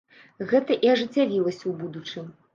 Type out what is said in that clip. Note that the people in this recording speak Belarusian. Гэта і ажыццявілася ў будучым.